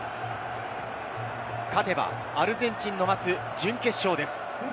勝てばアルゼンチンの待つ準決勝です。